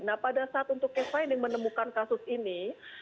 nah pada saat untuk case fining menemukan kasus ini